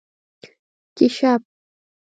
🐢 کېشپ